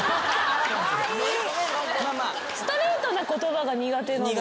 ストレートな言葉が苦手なのかな。